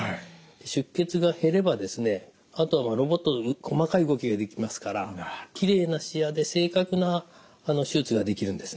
あとはロボット細かい動きができますからきれいな視野で正確な手術ができるんですね。